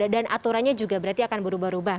dan aturannya juga berarti akan berubah ubah